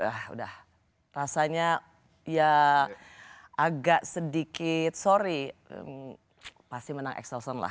udah rasanya ya agak sedikit sorry pasti menang exelsen lah